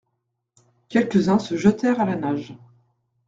Quelques-uns se jetèrent à la nage.